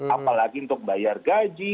apalagi untuk bayar gaji